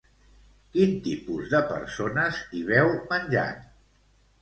Quin tipus de persones hi veu menjant?